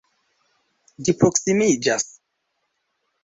Ĝi proksimiĝas.